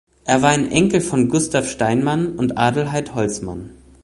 Er war ein Enkel von Gustav Steinmann und Adelheid Holtzmann.